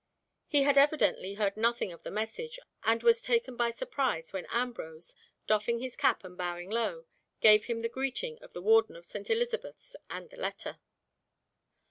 He had evidently heard nothing of the message, and was taken by surprise when Ambrose, doffing his cap and bowing low, gave him the greeting of the Warden of St. Elizabeth's and the letter.